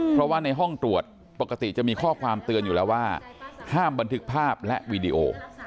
เพราะว่าในห้องตรวจปกติจะมีข้อความเตือนอยู่แล้วว่าห้ามบันทึกภาพและวีดีโอ